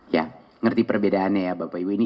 ya ngerti perbedaannya ya bapak ibu ini